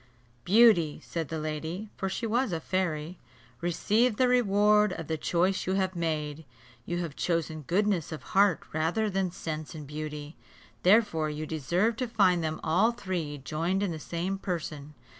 "Beauty," said the lady (for she was a fairy), "receive the reward of the choice you have made. You have chosen goodness of heart rather than sense and beauty; therefore you deserve to find them all three joined in the same person.